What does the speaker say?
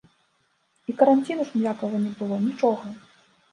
І каранціну ж ніякага не было, нічога.